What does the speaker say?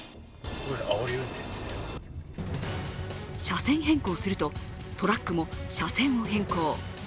車線変更すると、トラックも車線を変更。